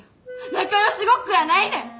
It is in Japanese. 仲よしごっこやないねん！